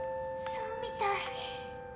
そうみたい。